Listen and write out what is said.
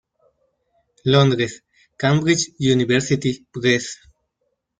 Londres: Cambridge University Press.